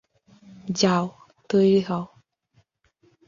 যাও, তৈরি হও।